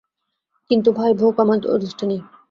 কিন্তু ভাই, ভোগ আমার অদৃষ্টে নেই।